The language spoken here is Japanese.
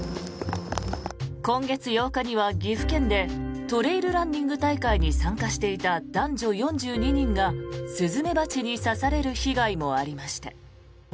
今月８日には岐阜県でトレイルランニング大会に参加していた男女４２人がスズメバチに刺される被害もありました。